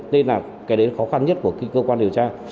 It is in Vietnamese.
tên là cái đấy khó khăn nhất của cơ quan điều tra